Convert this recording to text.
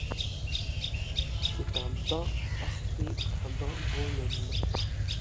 C’est un ben parfait, un ben bon homme…